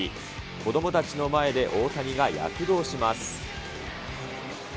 子どもたちの前で大谷が躍動します。